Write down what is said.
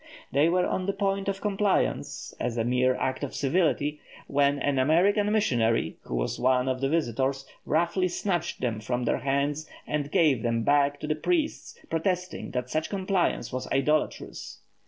They were on the point of compliance, as a mere act of civility, when an American missionary, who was one of the visitors, roughly snatched them from their hands, and gave them back to the priests, protesting that such compliance was idolatrous.